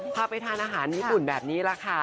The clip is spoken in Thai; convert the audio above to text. พาไปทานอาหารญี่ปุ่นแบบนี้แหละค่ะ